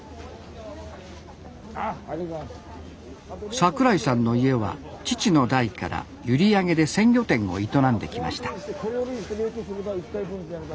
櫻井さんの家は父の代から閖上で鮮魚店を営んできました